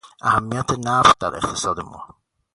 اهمیت نفت در اقتصاد ما